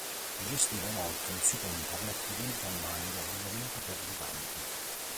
Gestiva inoltre un sito internet di vendita online di abbigliamento per giganti.